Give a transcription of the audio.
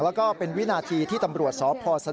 แล้วก็เป็นวินาทีที่ตำรวจสอบพยายาม